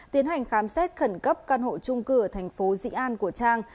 tiến hành khám xét khẩn cấp căn hộ trung cư ở thành phố dị an của trang